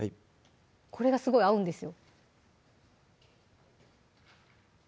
これがすごい合うんですよ